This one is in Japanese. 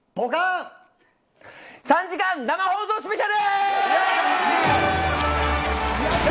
３時間生放送スペシャル。